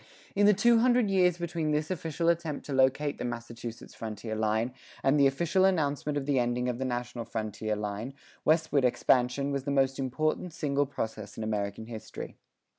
[39:2] In the two hundred years between this official attempt to locate the Massachusetts frontier line, and the official announcement of the ending of the national frontier line, westward expansion was the most important single process in American history.